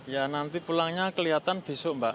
ya nanti pulangnya kelihatan besok mbak